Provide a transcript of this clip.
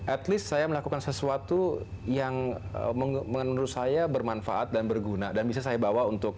at least saya melakukan sesuatu yang menurut saya bermanfaat dan berguna dan bisa saya bawa untuk